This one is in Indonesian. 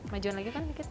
majukan lagi kan sedikit